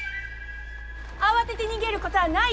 慌てて逃げることはないよ！